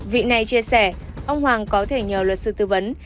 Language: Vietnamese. vị này chia sẻ ông hoàng có thể nhờ luật sư tư vấn